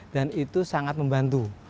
dan itu sangat membantu